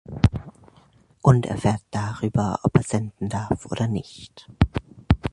Und erfährt darüber ob er senden darf oder nicht.